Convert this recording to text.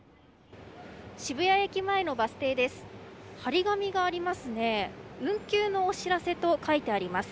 渋谷駅前のバス停です。